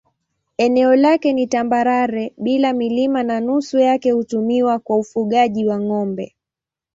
Eneo lake ni tambarare bila milima na nusu yake hutumiwa kwa ufugaji wa ng'ombe.